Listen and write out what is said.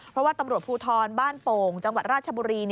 เพราะว่าตำรวจภูทรบ้านโป่งจังหวัดราชบุรี